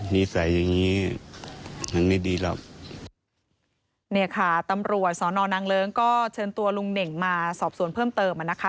นี่ค่ะตำรวจสอนอนางเลิงก็เชิญตัวลุงเน่งมาสอบส่วนเพิ่มเติมมานะคะ